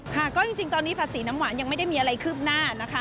ค่ะก็จริงตอนนี้ภาษีน้ำหวานยังไม่ได้มีอะไรคืบหน้านะคะ